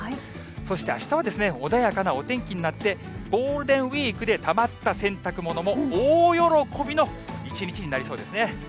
そしてあしたは、穏やかなお天気になって、ゴールデンウィークでたまった洗濯物も、大喜びの一日になりそうですね。